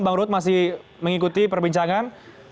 bang ruhut masih mengikuti perbincangan